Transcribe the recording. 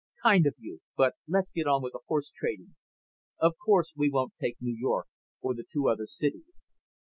"Kind of you. But let's get on with the horse trading. Of course we won't take New York, or the two other cities."